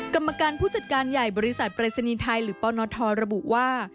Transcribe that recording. กรรมการผู้จัดการใหญ่บริษัทปรายศนีย์ไทยหรือปนทรระบุว่า